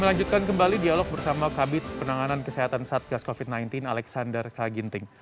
kita lanjutkan kembali dialog bersama kabit penanganan kesehatan satgas covid sembilan belas alexander kaginting